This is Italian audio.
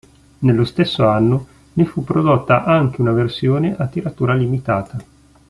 Nello stesso anno ne fu prodotta anche una versione a tiratura limitata.